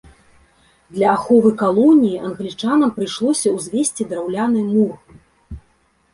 Для аховы калоніі англічанам прыйшлося ўзвесці драўляны мур.